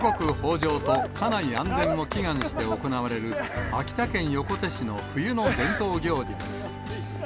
じょうと家内安全を祈願して行われる秋田県横手市の冬の伝統行事です。